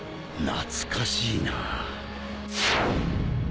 懐かしいな。